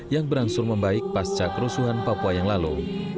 yang berangsur membaik pasca kerusuhan papua yang lalu